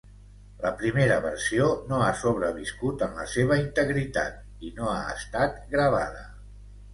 La primera versió no ha sobreviscut en la seva integritat, i no ha estat gravada.